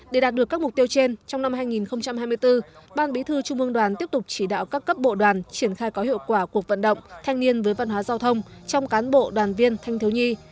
để đạt được các mục tiêu trên trong năm hai nghìn hai mươi bốn ban bí thư trung ương đoàn tiếp tục chỉ đạo các cấp bộ đoàn triển khai có hiệu quả cuộc vận động thanh niên với văn hóa giao thông trong cán bộ đoàn viên thanh thiếu nhi